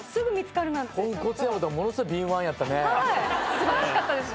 素晴らしかったですね。